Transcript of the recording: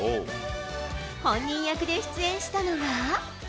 本人役で出演したのが。